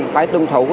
phải tuân thấu